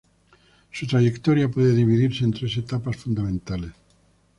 Su trayectoria puede dividirse en tres etapas fundamentales.